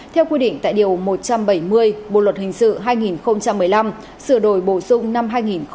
theo quy định tại điều một trăm bảy mươi bộ luật hình sự hai nghìn một mươi năm sửa đổi bổ sung năm hai nghìn một mươi bảy